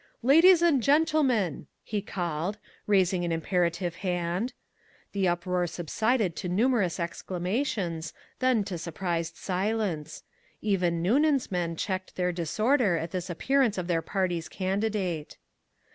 "Ladies and gentlemen!" he called, raising an imperative hand. The uproar subsided to numerous exclamations, then to surprised silence; even Noonan's men checked their disorder at this appearance of their party's candidate.